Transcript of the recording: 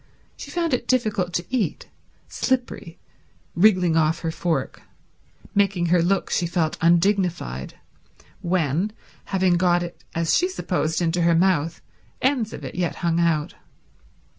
She found it difficult to eat—slippery, wriggling off her fork, making her look, she felt, undignified when, having got it as she supposed into her mouth, ends of it yet hung out.